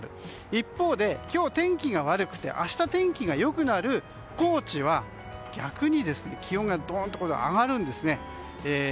一方で、今日天気が悪くて明日天気が良くなる高知は逆に気温がドンと上がるんですね。